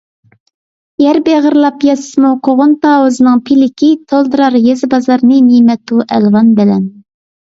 يەر بېغىرلاپ ياتسىمۇ قوغۇن - تاۋۇزنىڭ پىلىكى، تولدۇرار يېزا - بازارنى نىمەتۇ - ئەلۋان بىلەن.